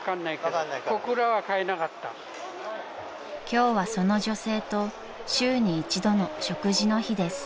［今日はその女性と週に一度の食事の日です］